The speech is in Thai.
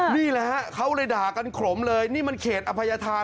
นี่แหละฮะเขาเลยด่ากันขลมเลยนี่มันเขตอภัยธาน